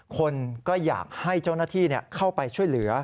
คนก็อยากให้เจ้าหน้าที่เข้าไปช่วยเหลือ